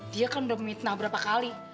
dia kan udah mitnah berapa kali